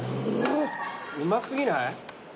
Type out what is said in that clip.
うま過ぎない？